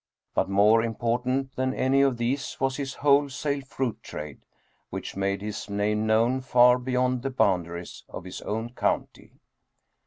But more important than any of these was his wholesale fruit trade, which made his name known far beyond the boundaries of his own county.